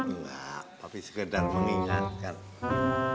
enggak tapi sekedar mengingatkan